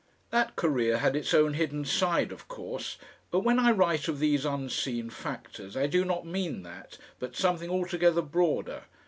That career had its own hidden side, of course; but when I write of these unseen factors I do not mean that but something altogether broader.